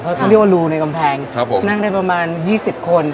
เขาเรียกว่ารูในกำแพงนั่งได้ประมาณ๒๐คน